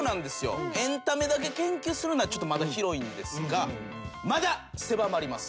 エンタメだけ研究するのはちょっとまだ広いんですがまだ狭まります。